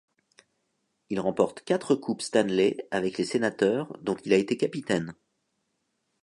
Il remporte quatre coupes Stanley avec les Sénateurs dont il a été capitaine.